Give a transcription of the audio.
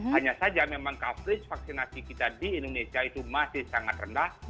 hanya saja memang coverage vaksinasi kita di indonesia itu masih sangat rendah